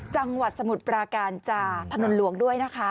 จังหวัดสมุทรปราการจากถนนหลวงด้วยนะคะ